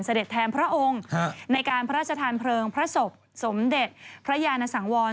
แทนพระองค์ในการพระราชทานเพลิงพระศพสมเด็จพระยานสังวร